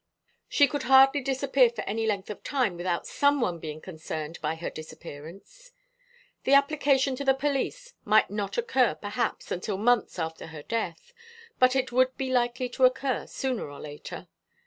She could hardly disappear for any length of time without some one being concerned by her disappearance. The application to the police might not occur perhaps until months after her death; but it would be likely to occur sooner or later.